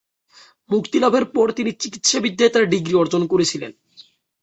মুক্তিলাভের পর, তিনি চিকিৎসাবিদ্যায় তাঁর ডিগ্রি অর্জন করেছিলেন।